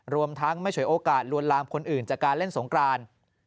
รวมทั้งไม่ฉวยโอกาสลวนลามคนอื่นจากการเล่นสงกราน